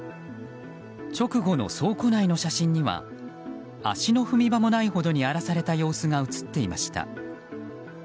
直後の倉庫内の写真には足の踏み場もないほどに荒らされた様子が写っていました。